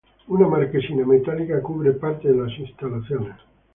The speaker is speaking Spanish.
Una marquesina metálica cubre parte de las instalaciones.